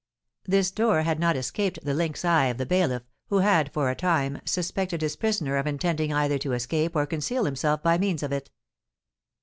This door had not escaped the lynx eye of the bailiff, who had, for a time, suspected his prisoner of intending either to escape or conceal himself by means of it.